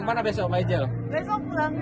baik apa ini main jauh lagi